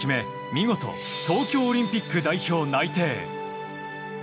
見事、東京オリンピック代表内定。